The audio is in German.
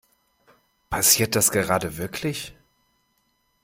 Passiert das gerade wirklich?